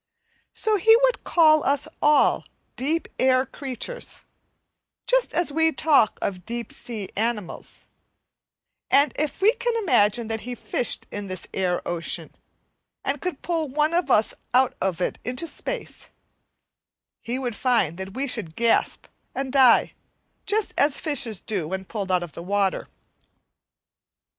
So he would call us all deep air creatures, just as we talk of deep sea animals; and if we can imagine that he fished in this air ocean, and could pull one of us out of it into space, he would find that we should gasp and die just as fishes do when pulled out of the water.